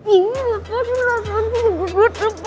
iya apaan lu nanti gue buat tempatnya